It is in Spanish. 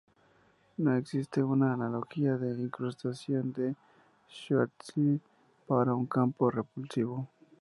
No existe una analogía de la incrustación de Schwarzschild para un campo repulsivo.